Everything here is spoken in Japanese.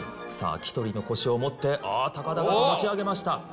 さあキトリの腰を持ってああ高々と持ち上げました。